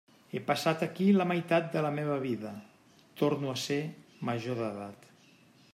He passat aquí la meitat de la meva vida, torno a ser major d'edat.